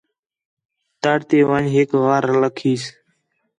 تڑ تی ون٘ڄ ہِک غار لَکھیس